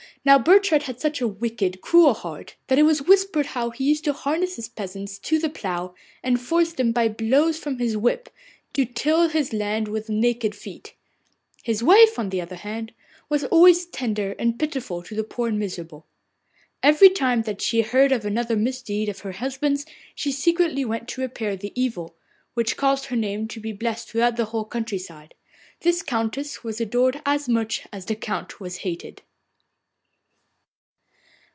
Now Burchard had such a wicked, cruel heart, that it was whispered how he used to harness his peasants to the plough, and force them by blows from his whip to till his land with naked feet. His wife, on the other hand, was always tender and pitiful to the poor and miserable. Every time that she heard of another misdeed of her husband's she secretly went to repair the evil, which caused her name to be blessed throughout the whole country side. This Countess was adored as much as the Count was hated.